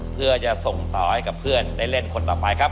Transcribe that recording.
เพื่อจะส่งต่อให้กับเพื่อนได้เล่นคนต่อไปครับ